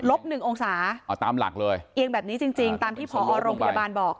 หนึ่งองศาเอาตามหลักเลยเอียงแบบนี้จริงจริงตามที่ผอโรงพยาบาลบอก